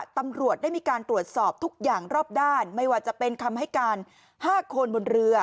ตำรวจได้มีการตรวจสอบทุกอย่างรอบด้านไม่ว่าจะเป็นคำให้การ๕คนบนเรือ